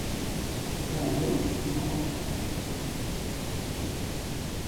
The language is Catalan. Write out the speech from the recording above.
Perelló la va acceptar.